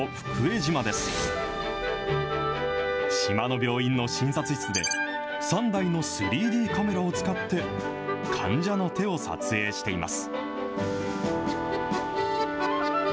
島の病院の診察室で、３台の３Ｄカメラを使って患者の手を撮影しています。